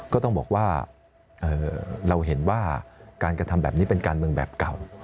ก็ต้องบอกว่าเราเห็นว่าการกระทำแบบนี้เป็นการเมืองแบบเก่า